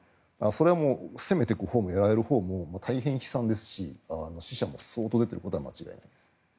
それは攻めていくほうもやられるほうも大変悲惨ですし死者も相当出ていることは間違いないです。